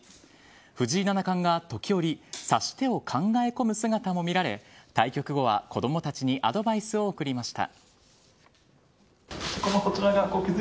藤井七冠が時折指し手を考え込む姿も見られ対局後は、子供たちにアドバイスを送りました。